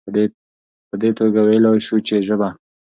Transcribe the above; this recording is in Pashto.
په دي توګه ويلايي شو چې ژبه